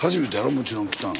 もちろん来たの。